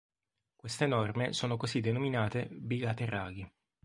Queste norme sono così denominate "bilaterali".